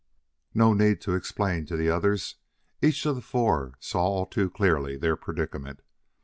No need to explain to the others; each of the four saw all too clearly their predicament.